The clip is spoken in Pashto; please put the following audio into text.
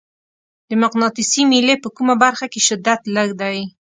د مقناطیسي میلې په کومه برخه کې شدت لږ دی؟